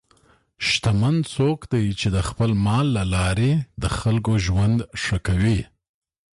شتمن څوک دی چې د خپل مال له لارې د خلکو ژوند ښه کوي.